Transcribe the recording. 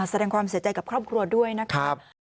แสดงความเสียใจกับครอบครัวด้วยนะครับ